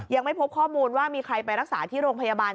ยังไม่พบข้อมูลว่ามีใครไปรักษาที่โรงพยาบาล